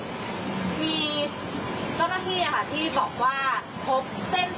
มีเจ้านานเฮีาะที่บอกว่าพบเส้นผมของน้องแตงโม